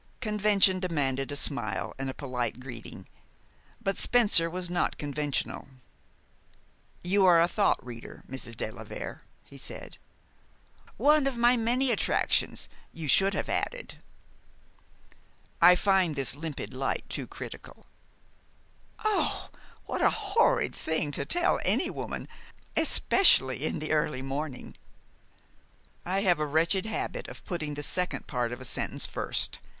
Convention demanded a smile and a polite greeting; but Spencer was not conventional. "You are a thought reader, Mrs. de la Vere," he said. "'One of my many attractions,' you should have added." "I find this limpid light too critical." "Oh, what a horrid thing to tell any woman, especially in the early morning!" "I have a wretched habit of putting the second part of a sentence first.